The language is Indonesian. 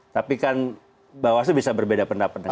tapi kan bawaslu bisa berbeda pendapat